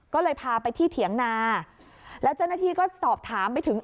ก็เลยพาไปที่เถียงนาแล้วเจ้าหน้าที่ก็สอบถามไปถึง